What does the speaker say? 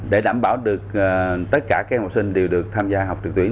để đảm bảo được tất cả các học sinh đều được tham gia học trực tuyến